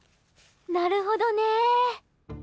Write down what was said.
なるほどね。